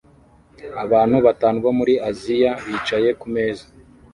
Abantu batanu bo muri Aziya bicaye kumeza